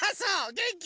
げんき？